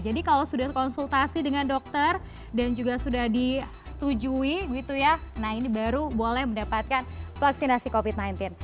jadi kalau sudah konsultasi dengan dokter dan juga sudah disetujui gitu ya nah ini baru boleh mendapatkan vaksinasi covid sembilan belas